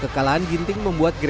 kekalahan ginting membuat gregoria